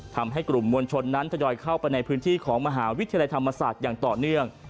ทำให้กลุ่มมวลชนนั้นทยอยเข้าไปในพื้นที่ของมหาวิทยาลัยธรรมศาสตร์อย่างต่อเนื่อง